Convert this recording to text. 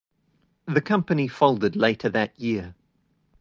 The company folded later that year.